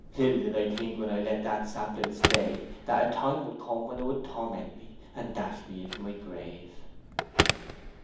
Little did I think, when I let that sapling stay, that a time would come when it would torment me, and dash me into my grave."